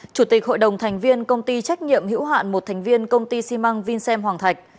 chủ tịch hội đồng thành viên công ty trách nhiệm hữu hạn một thành viên công ty xi măng vinsen hoàng thạch